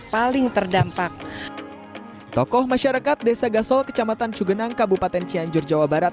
paling terdampak tokoh masyarakat desa gasol kecamatan cugenang kabupaten cianjur jawa barat